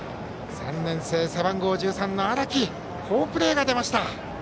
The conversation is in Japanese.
３年生、背番号１３の荒木に好プレーが出ました。